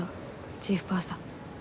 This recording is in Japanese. チーフパーサー。